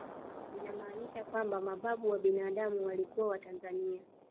Inamaanisha kwamba mababu wa binadamu walikuwa watanzania